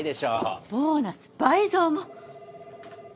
ボーナス倍増も！